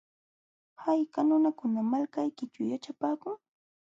¿Hayka nunakunam malkaykićhu yaćhapaakun?